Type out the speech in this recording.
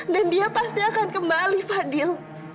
dan dia pasti akan kembali fadil